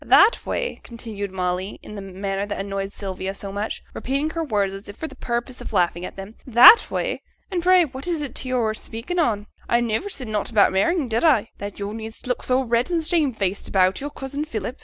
That way,' continued Molly, in the manner that annoyed Sylvia so much, repeating her words as if for the purpose of laughing at them. '"That way?" and pray what is t' way yo're speaking on? I niver said nought about marrying, did I, that yo' need look so red and shamefaced about yo'r cousin Philip?